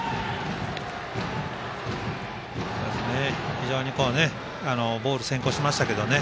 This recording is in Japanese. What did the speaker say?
非常にボール先行しましたけどね